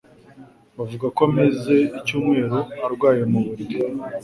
Bavuga ko amaze icyumweru arwaye mu buriri.